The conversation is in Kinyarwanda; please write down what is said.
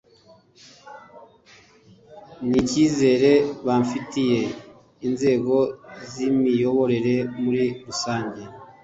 n icyizere bafitiye inzego z imiyoborere muri rusange